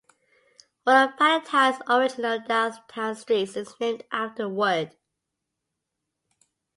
One of Palatine's original downtown streets is named after Wood.